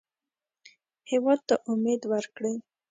هېواد ته امید ورکړئ